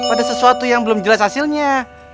ada sesuatu yang belum jelas hasilnya